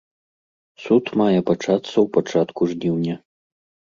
Суд мае пачацца ў пачатку жніўня.